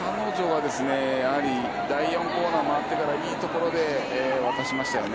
彼女は第４コーナーも回ってから、いいところで渡しましたよね。